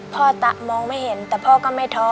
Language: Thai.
ตะมองไม่เห็นแต่พ่อก็ไม่ท้อ